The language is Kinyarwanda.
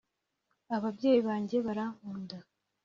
ababyeyi banjye barankunda.